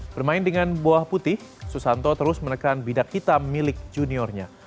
bermain dengan buah putih susanto terus menekan bidak hitam milik juniornya